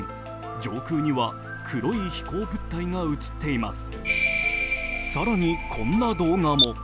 上空には黒い飛行物体が映っています。